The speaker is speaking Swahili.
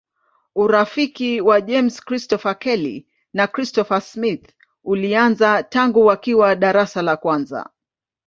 Urafiki wa James Christopher Kelly na Christopher Smith ulianza tangu wakiwa darasa la kwanza.